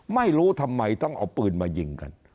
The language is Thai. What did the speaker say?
ไม่รู้ทำไมต้องเอาปืนมายิงกัน